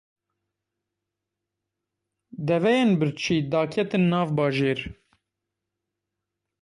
Deveyên birçî daketin nav bajêr.